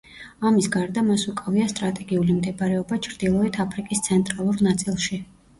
ამის გარდა მას უკავია სტრატეგიული მდებარეობა ჩრდილოეთ აფრიკის ცენტრალურ ნაწილში.